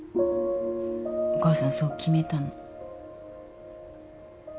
お母さんそう決めたの。